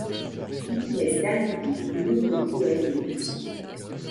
Il laisse derrière lui de nombreux poèmes et manuscrits.